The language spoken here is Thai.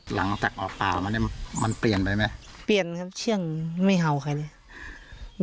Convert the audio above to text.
หลังจากออกป่ามาเนี่ยมันเปลี่ยนไปไหมเปลี่ยนครับเชื่องไม่เห่าใครเลย